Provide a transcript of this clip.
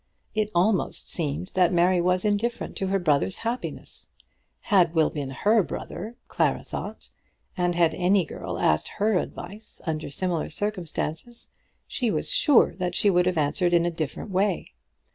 It almost seemed that Mary was indifferent to her brother's happiness. Had Will been her brother, Clara thought, and had any girl asked her advice under similar circumstances, she was sure that she would have answered in a different way.